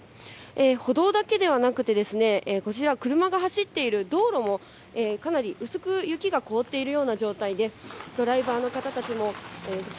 歩道だけではなくて、こちら、車が走っている道路も、かなり薄く雪が凍っているような状態です。